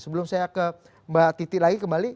sebelum saya ke mbak titi lagi kembali